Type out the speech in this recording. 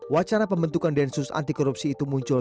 wacana pembentukan densus anti korupsi itu muncul